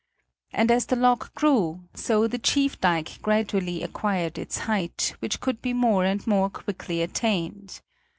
And as the lock grew, so the chief dike gradually acquired its height, which could be more and more quickly attained.